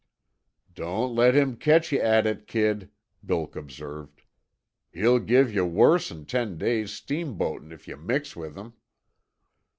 "Don't let him catch yuh at it, kid," Bilk observed. "He'll give yuh worse'n ten days' steam boatin' if yuh mix with him."